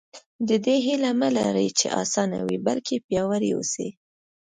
د دې هیله مه لره چې اسانه وي بلکې پیاوړي اوسئ.